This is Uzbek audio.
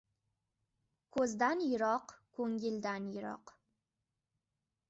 • Ko‘zdan yiroq — ko‘ngildan yiroq.